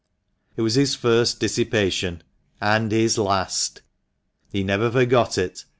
It was his first dissipation, and his last. He never forgot it.